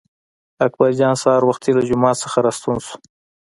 اکبر جان سهار وختي له جومات نه راستون شو.